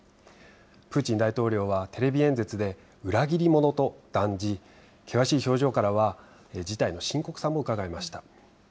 プーチン大統領はテレビ演説で、裏切り者と断じ、険しい表情からは、事態の深刻さもうかがえました。